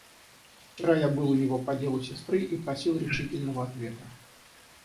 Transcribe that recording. Вчера я был у него по делу сестры и просил решительного ответа.